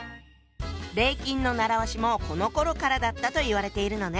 「礼金」の習わしもこのころからだったと言われているのね。